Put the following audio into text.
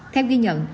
theo ghi nhận